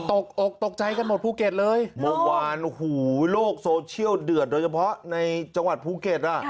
ตกอกตกใจกันหมดภูเก็ตเลยเมื่อวานโอ้โหโลกโซเชียลเดือดโดยเฉพาะในจังหวัดภูเก็ตอ่ะ